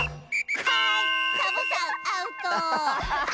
はいサボさんアウト！